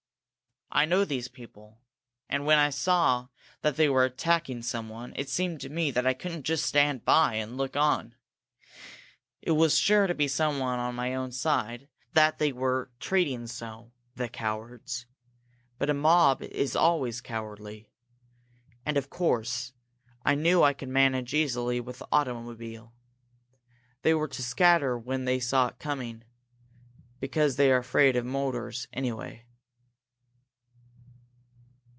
"I know those people. And when I saw that they were attacking someone, it seemed to me that I couldn't just stand by and look on. It was sure to be someone on my own side that they were treating so the cowards! But a mob is always cowardly. And, of course, I knew that I could manage easily with the automobile. They were sure to scatter when they saw it coming, because they are afraid of motors, anyway."